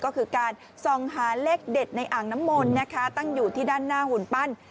ก็คือการส่องหาเลขเด็ดในอ่างน้ำมนต์นะคะตั้งอยู่ที่ด้านหน้าหุ่นปั้น